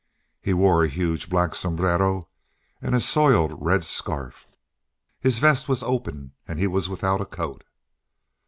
He wore a huge black sombrero and a soiled red scarf. His vest was open and he was without a coat.